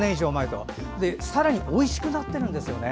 そしてさらにおいしくなってるんですね。